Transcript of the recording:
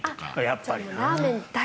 やっぱりな。